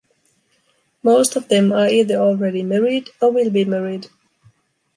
Most of them are either already married or will be married.